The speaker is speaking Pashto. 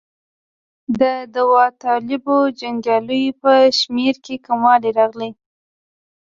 د داوطلبو جنګیالیو په شمېر کې کموالی راغی.